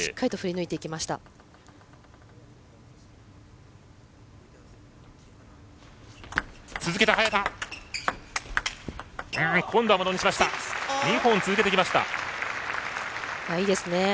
いいですね。